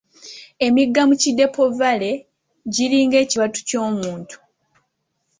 Emigga mu Kidepo Valley giringa ekibatu ky'omuntu.